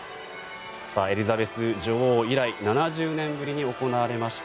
エリザベス女王以来７０年ぶりに行われました